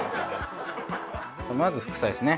じゃまず副菜ですね。